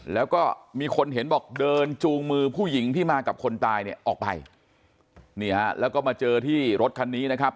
แล้วก็มีคนเห็นบอกเดินจูงมือผู้หญิงที่มากับคนตายเนี่ยออกไปนี่ฮะแล้วก็มาเจอที่รถคันนี้นะครับ